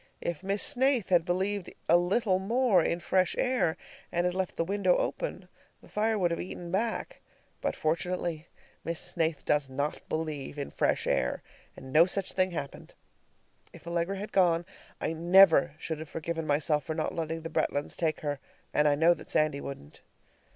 If Miss Snaith had believed a little more in fresh air and had left the window open, the fire would have eaten back. But fortunately Miss Snaith does not believe in fresh air, and no such thing happened. If Allegra had gone, I never should have forgiven myself for not letting the Bretlands take her, and I know that Sandy wouldn't.